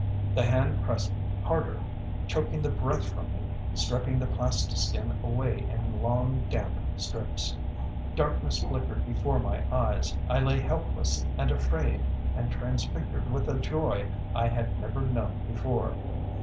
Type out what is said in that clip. The hand pressed harder, choking the breath from me, stripping the plastiskin away in long, damp strips. Darkness flickered before my eyes. I lay helpless and afraid and transfigured with a joy I had never known before.